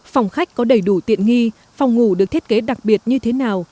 phòng khách có đầy đủ tiện nghi phòng ngủ được thiết kế đặc biệt như thế nào